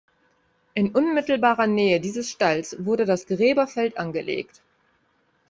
In unmittelbarer Nähe dieses Stalls wurde das Gräberfeld angelegt.